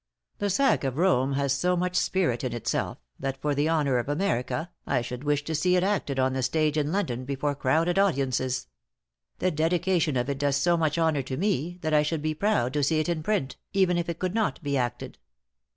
"The 'Sack of Rome' has so much spirit in itself, that for the honor of America, I should wish to see it acted on the stage in London, before crowded audiences. The dedication of it does so much honor to me, that I should be proud to see it in print, even if it could not be acted.